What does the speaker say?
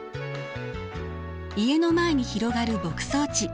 家の前に広がる牧草地。